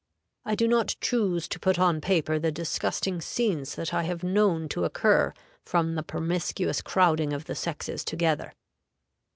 I do not choose to put on paper the disgusting scenes that I have known to occur from the promiscuous crowding of the sexes together.